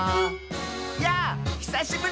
「やぁひさしぶり！」